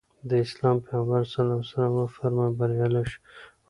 د اسلام پیغمبر ص وفرمایل بریالی شو.